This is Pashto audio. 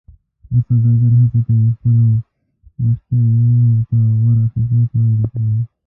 هر سوداګر هڅه کوي خپلو مشتریانو ته غوره خدمت وړاندې کړي.